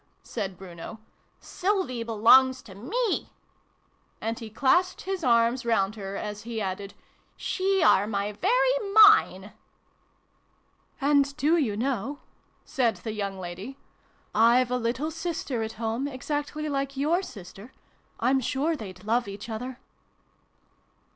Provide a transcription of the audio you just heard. said Bruno. "Sylvie belongs to me!" And he clasped x] JABBERING AND JAM. 155 his arms round her as he added " She are my very mine !"" And, do you know," said the young lady, " I've a little sister at home, exactly \ikeyour sister ? I'm sure they'd love each other."